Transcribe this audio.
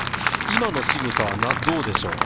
今のしぐさはどうでしょう？